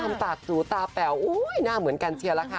ทางปากสูตรตาแป๋วอุ๊ยหน้าเหมือนกันแชร์ละค่ะ